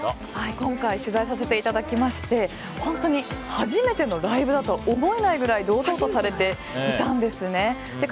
今回取材させていただきまして初めてのライブとは思えないくらい堂々とされていました。